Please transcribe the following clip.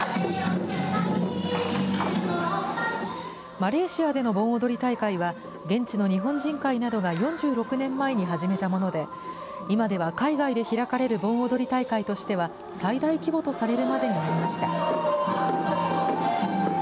マレーシアでの盆踊り大会は、現地の日本人会などが４６年前に始めたもので、今では海外で開かれる盆踊り大会としては、最大規模とされるまでになりました。